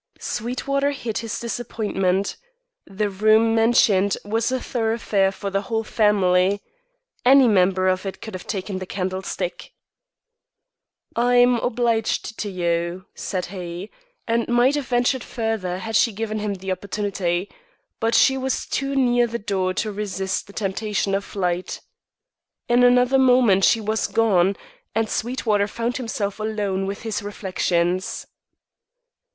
Sweetwater hid his disappointment. The room mentioned was a thoroughfare for the whole family. Any member of it could have taken the candlestick. "I'm obliged to you," said he; and might have ventured further had she given him the opportunity. But she was too near the door to resist the temptation of flight. In another moment she was gone, and Sweetwater found himself alone with his reflections.